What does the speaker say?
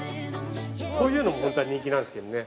◆こういうのが、本当は人気なんですけどね。